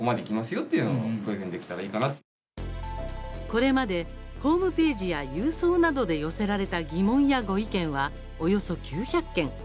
これまでホームページや郵送などで寄せられた疑問やご意見はおよそ９００件。